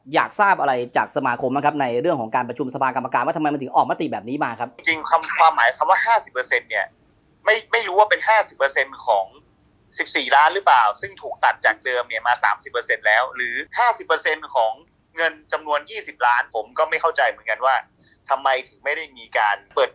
อยากทราบอะไรจากสมาคมนะครับในเรื่องของการประชุมสมากรรมการว่าทำไมมันถึงออกมาตรีแบบนี้มาครับ